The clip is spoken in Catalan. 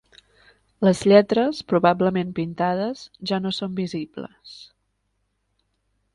Les lletres, probablement pintades, ja no són visibles.